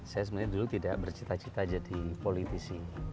saya sebenarnya dulu tidak bercita cita jadi politisi